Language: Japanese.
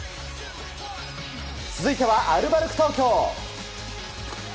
続いてはアルバルク東京。